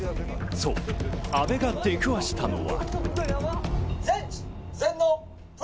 そう、阿部が出くわしたのは。